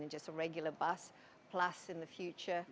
pada tahun depan atau tahun depan bus elektrik